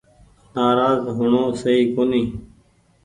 نآراز هو ڻو سئي ڪونيٚ ۔